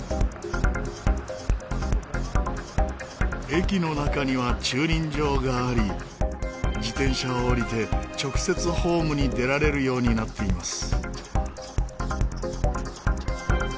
駅の中には駐輪場があり自転車を降りて直接ホームに出られるようになっています。